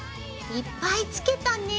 いっぱい付けたね。